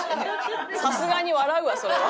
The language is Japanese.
さすがに笑うわそれは。